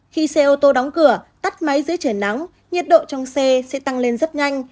khi xe ô tô đóng cửa tắt máy dưới trời nắng nhiệt độ trong xe sẽ tăng lên rất nhanh